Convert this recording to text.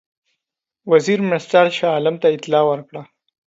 وزیر مرستیال شاه عالم ته اطلاع ورکړه.